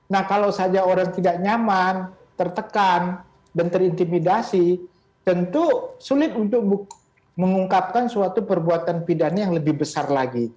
nah kalau saja orang tidak nyaman tertekan dan terintimidasi tentu sulit untuk mengungkapkan suatu perbuatan pidana yang lebih besar lagi